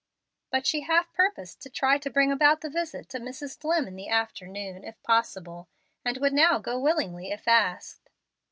But she half purposed to try and bring about the visit to Mrs. Dlimm in the afternoon, if possible, and would now go willingly, if asked.